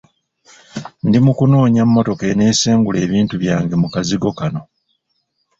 Ndi mu kunoonya mmotoka enneesengula ebintu byange mu kazigo kano.